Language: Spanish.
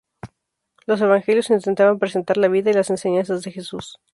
Los Evangelios intentaban presentar la vida y las enseñanzas de Jesús.